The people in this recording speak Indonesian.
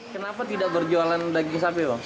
kenapa tidak berjualan daging sapi bang